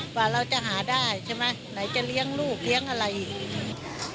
กว่าเราจะหาได้ใช่ไหมไหนจะเลี้ยงลูกเลี้ยงอะไรอย่างนี้